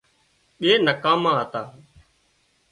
ٻي نڪاما هتا